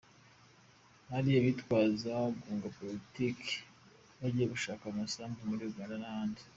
Hari abitwaza guhunga Politiki bagiye gushaka amasambu muri Uganda n’ahandi.